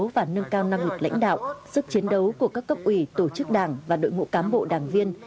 và nâng cao năng lực lãnh đạo sức chiến đấu của các cấp ủy tổ chức đảng và đội ngũ cán bộ đảng viên